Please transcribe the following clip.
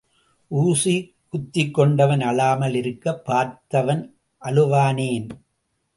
ஊசி குத்திக் கொண்டவன் அழாமல் இருக்கப் பார்த்தவன் அழுவானேன்?